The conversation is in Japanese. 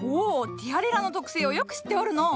ティアレラの特性をよく知っておるのう。